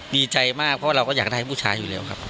ดีใจมากเพราะเราก็อยากได้ผู้ชายอยู่แล้วครับ